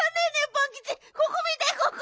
パンキチここ見てここ！